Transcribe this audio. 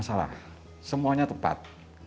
masalah semuanya tepat